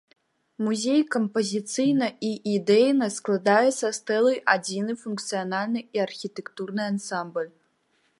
Музей кампазіцыйна і ідэйна складае са стэлай адзіны функцыянальны і архітэктурны ансамбль.